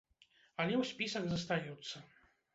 Але ў спісах застаюцца.